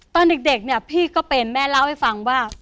ตอนเด็กเนี่ยพี่ก็เป็นแม่เล่าให้ฟังว่า